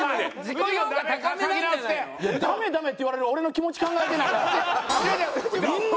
「ダメダメ」って言われる俺の気持ち考えてないやん。